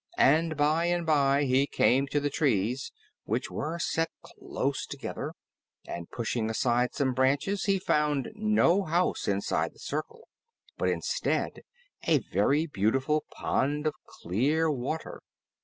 And by and by he came to the trees, which were set close together, and pushing aside some branches he found no house inside the circle, but instead a very beautiful pond of clear water.